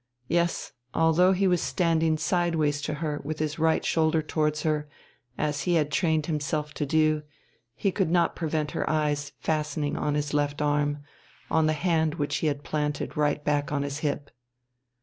Yes, although he was standing sideways to her with his right shoulder towards her, as he had trained himself to do, he could not prevent her eyes fastening on his left arm, on the hand which he had planted right back on his hip.